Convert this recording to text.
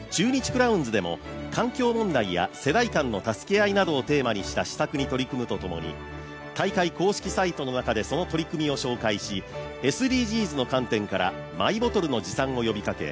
クラウンズでも環境問題や世代間の助け合いなどをテーマにした施策に取り組むとともに大会公式サイトの中でその取り組みを紹介しＳＤＧｓの観点からマイボトルの持参を呼びかけ